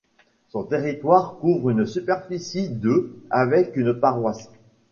Son territoire couvre une superficie de avec une paroisse.